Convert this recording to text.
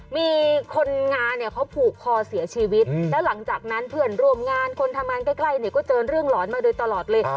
มีคนงานเนี่ยเขาผูกคอเสียชีวิตแล้วหลังจากนั้นเพื่อนร่วมงานคนทำงานใกล้เนี่ยก็เจอเรื่องหลอนมาโดยตลอดเลย